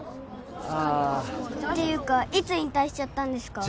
ああていうかいつ引退しちゃったんですか？